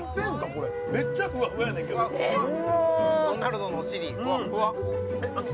これめっちゃふわふわやねんけどドナルドのお尻ふわっふわ！